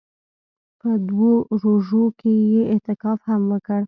په دوو روژو کښې يې اعتکاف هم وکړ.